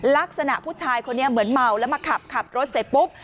ลักษณะผู้ชายคนนี้เหมือนเมาแล้วมาขับขับรถเสร็จปุ๊บ